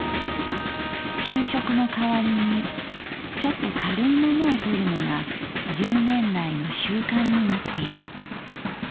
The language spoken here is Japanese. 「昼食の代わりにちょっとかるいものをとるのが十年来の習慣になっている。